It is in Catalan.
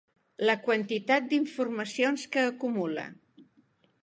la quantitat d'informacions que acumula